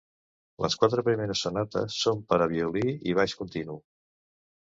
Les quatre primeres sonates són per a violí i baix continu.